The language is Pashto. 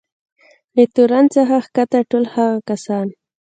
له تورن څخه کښته ټول هغه کسان.